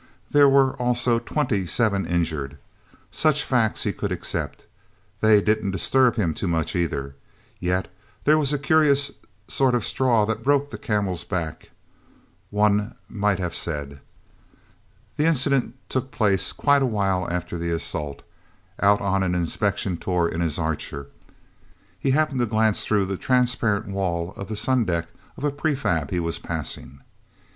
There were also twenty seven injured. Such facts he could accept they didn't disturb him too much, either. Yet there was a curious sort of straw that broke the camel's back, one might have said. The incident took place quite a while after the assault. Out on an inspection tour in his Archer, he happened to glance through the transparent wall of the sundeck of a prefab he was passing...